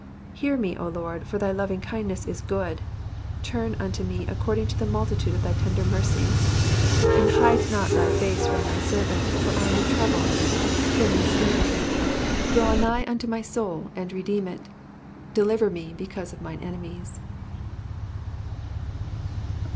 16 Hear me, O Lord ; for thy lovingkindness is good : turn unto me according to the multitude of thy tender mercies. 17 And hide not thy face from thy servant ; for I am in trouble : hear me speedily. 18 Draw nigh unto my soul, afid redeem it : deliver me because of mine enemies.